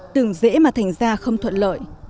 từng dễ mà thành ra không thuận lợi